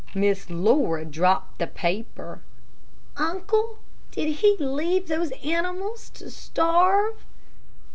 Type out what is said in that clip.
Miss Laura dropped the paper. "Uncle, did he leave those animals to starve?"